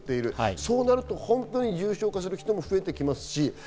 そうなると重症化する人も増えてきますし。